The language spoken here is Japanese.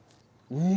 うん。